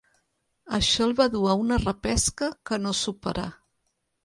Això el va dur a una repesca que no superà.